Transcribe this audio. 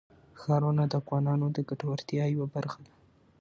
ښارونه د افغانانو د ګټورتیا یوه برخه ده.